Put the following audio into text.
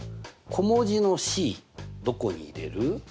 小文字のｃどこに入れる？